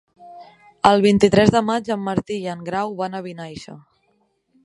El vint-i-tres de maig en Martí i en Grau van a Vinaixa.